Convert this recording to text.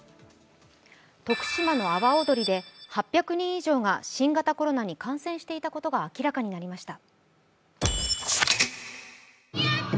徳島の阿波おどりで８００人以上が新型コロナに感染していたことが明らかになりました。